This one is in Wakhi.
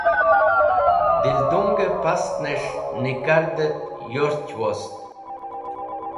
Dildunge pastnes̃h Nikard et Yorch wost.